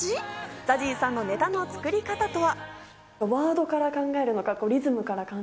ＺＡＺＹさんのネタの作り方とは？